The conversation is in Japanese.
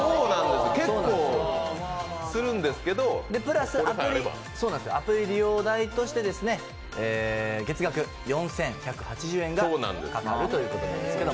結構、するんですけどプラス、アプリ利用代として月額４１８０円がかかるということなんですけど。